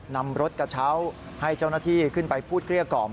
นำรถกระเช้าให้เจ้าหน้าที่ขึ้นไปพูดเกลี้ยกล่อม